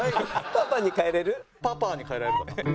「“パパ”に変えられる？」。